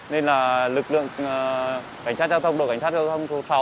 nên là lực lượng cảnh sát giao thông đội cảnh sát giao thông số sáu